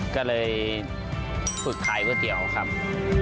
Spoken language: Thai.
ก็เลยฝึกขายก๋วยเตี๋ยวครับ